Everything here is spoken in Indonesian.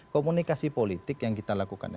komunikasi politik yang kita lakukan